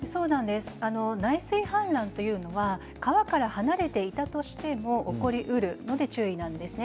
内水氾濫というのは川から離れていたとしても起こりうるので注意なんですね。